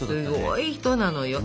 すごい人なのよ。